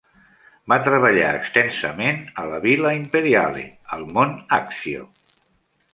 Va treballar extensament a la Villa Imperiale al mont Accio.